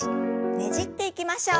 ねじっていきましょう。